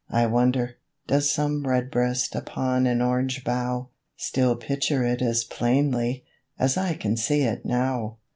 I wonder, does some redbreast Upon an orange bough, Still picture it as plainly As I can see it now?